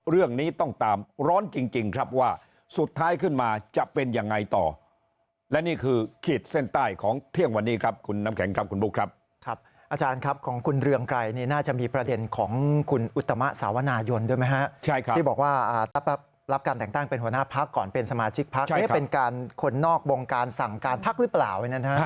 เรื่องนี้ต้องตามร้อนจริงครับว่าสุดท้ายขึ้นมาจะเป็นยังไงต่อและนี่คือขีดเส้นใต้ของเที่ยงวันนี้ครับคุณน้ำแข็งครับคุณบุ๊คครับครับอาจารย์ครับของคุณเรืองไกรนี่น่าจะมีประเด็นของคุณอุตมะสาวนายนด้วยไหมฮะที่บอกว่ารับการแต่งตั้งเป็นหัวหน้าพักก่อนเป็นสมาชิกพักเป็นการคนนอกวงการสั่งการพักหรือเปล่า